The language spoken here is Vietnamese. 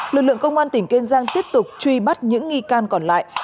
lực lượng công an tỉnh kiên giang tiếp tục truy bắt những nghi can còn lại